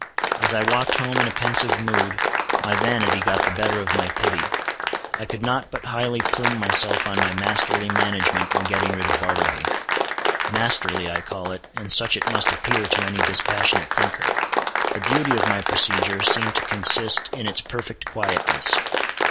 As I walked home in a pensive mood, my vanity got the better of my pity. I could not but highly plume myself on my masterly management in getting rid of Bartleby. Masterly I call it, and such it must appear to any dispassionate thinker. The beauty of my procedure seemed to consist in its perfect quietness.